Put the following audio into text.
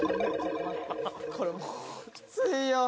これもうきついよ！